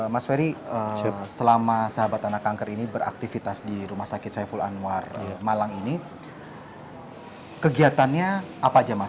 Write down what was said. mas ferry selama sahabat anak kanker ini beraktivitas di rumah sakit saiful anwar malang ini kegiatannya apa aja mas